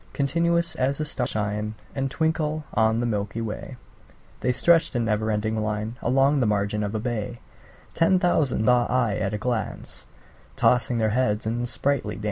Continuous as the stars that shine And twinkle on the milky way, The stretched in never ending line Along the margin of a bay: Ten thousand saw I at a glance, Tossing their heads in sprightly dance.